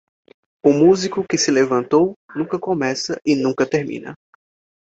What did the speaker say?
O músico que se levantou, nunca começa e nunca termina.